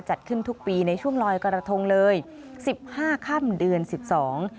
จัดขึ้นทุกปีในช่วงลอยกระทงเลยสิบห้าค่ำเดือนสิบสอง